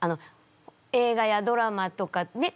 映画やドラマとかねっ？